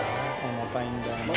重たいんだよね。